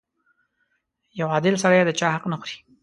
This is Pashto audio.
• یو عادل سړی د چا حق نه خوري.